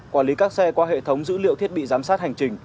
quản lý các xe qua hệ thống dữ liệu thiết bị giám sát hành trình